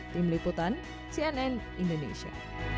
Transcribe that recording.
tim liputan cnn indonesia